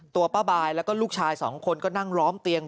ตัวป้าบายแล้วก็ลูกชายสองคนก็นั่งล้อมเตียง